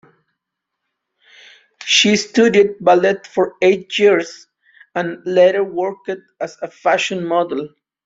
She studied ballet for eight years, and later worked as a fashion model.